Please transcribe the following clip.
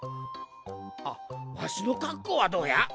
あわしのかっこうはどうや？